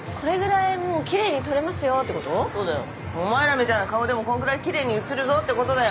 「お前らみたいな顔でもこんぐらいキレイに写るぞ」ってことだよ。